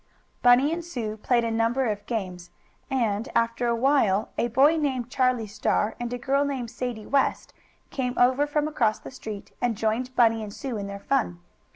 Bunny and Sue played a number of games, and, after a while, a boy named Charlie Star, and a girl, named Sadie West, came over from across the street and joined Bunny and Sue in their fun.